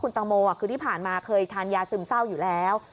ตังโมคือที่ผ่านมาเคยทานยาซึมเศร้าอยู่แล้ว